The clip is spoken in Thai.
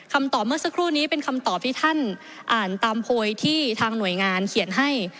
คำตอบเมื่อสักครู่นี้เป็นคำตอบที่ท่านอ่านตามโพยที่ทางหน่วยงานเขียนให้